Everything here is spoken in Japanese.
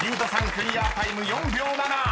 クリアタイム４秒７］